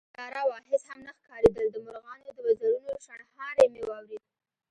تياره وه، هېڅ هم نه ښکارېدل، د مرغانو د وزرونو شڼهاری مې واورېد